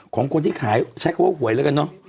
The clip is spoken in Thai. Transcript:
ของคนที่ขายใช้คำว่าหวยแล้วกันเนอะ